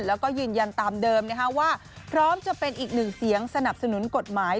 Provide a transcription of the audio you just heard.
แล้วก็ยืนยันตามเดิมว่าพร้อมจะเป็นอีกหนึ่งเสียงสนับสนุนกฎหมาย